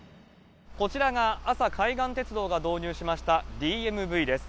こちらが阿佐海岸鉄道が導入しました、ＤＭＶです。